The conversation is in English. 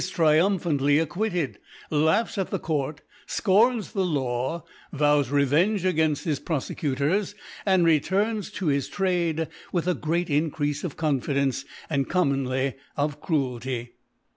triirnif^antly acquitted, laughs at the Court, fcoras the •Law, vows Revenge againft his Profecu tors, and returns to bis Trade with a ^cct Increafe of Confidence, and commonly of Cruelty.